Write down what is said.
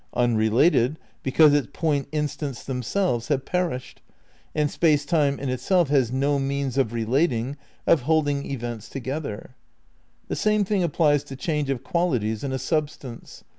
Unrelated, because its point instants themselves have perished, and Space VI RECONSTRUCTION OF IDEALISM 227 Time in itself has no means of relating, of holding events together. The same thing applies to change of qualities in a substance.